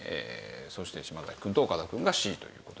そして島崎くんと岡田くんがＣという事で。